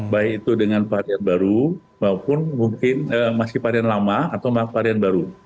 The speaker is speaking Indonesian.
baik itu dengan varian baru maupun mungkin masih varian lama atau varian baru